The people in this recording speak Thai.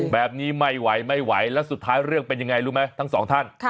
แบบนี้ไม่ไหวไม่ไหวแล้วสุดท้ายเรื่องเป็นยังไงรู้ไหมทั้งสองท่าน